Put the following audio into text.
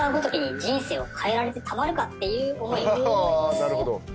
あなるほど。